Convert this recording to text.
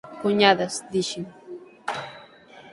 “Cuñadas,” dixen.